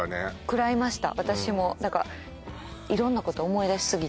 食らいました